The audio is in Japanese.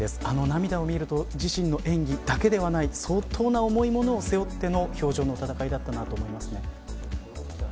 あの涙を見ると自身の演技だけではない相当な重いものを背負っての氷上の戦いだったと思いますね。